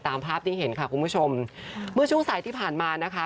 ตามภาพที่เห็นค่ะคุณผู้ชมเมื่อช่วงสายที่ผ่านมานะคะ